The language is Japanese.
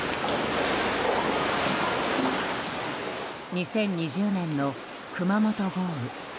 ２０２０年の熊本豪雨。